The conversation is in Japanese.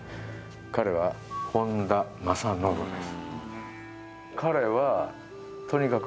彼は本多正信です。